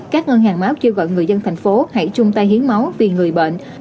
các ngân hàng máu kêu gọi người dân thành phố hãy chung tay hiến máu vì người bệnh